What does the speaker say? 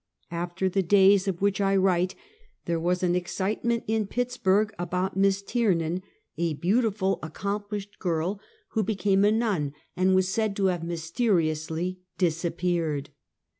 After the days of which I write, there was an excitement in Pittsburg about Miss Tiernan, a beautiful, accomplished girl. The Mother Chukch. 151 who became a nun, and was said to have mysteriously disappeared.